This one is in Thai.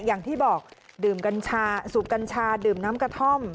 อย่างที่บอกดื่มกัญชาสูบกัญชาดื่มน้ำกระท่อม